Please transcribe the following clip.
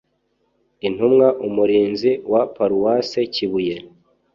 intumwa, umurinzi wa paruwasi kibuye,